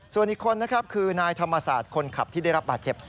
ส่วนอีกคนนะครับคือนายธรรมศาสตร์คนขับที่ได้รับบาดเจ็บ